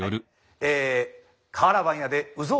え